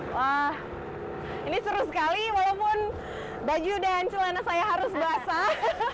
wah ini seru sekali walaupun baju dan celana saya harus basah